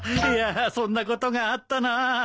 いやそんなことがあったな。